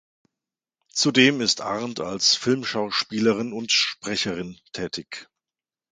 Zudem ist Arndt als Filmschauspielerin und Sprecherin tätig.